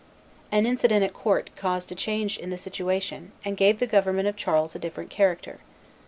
An incident at court caused a change in the situation, and gave the government of Charles a different character.